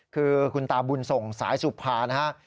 คือคุณตาบุญส่งสายสุภานะฮะ